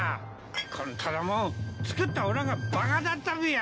こんただもん作ったおらがバカだったべや。